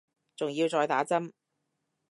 仲要再打針